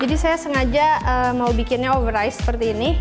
jadi saya sengaja mau bikinnya over rice seperti ini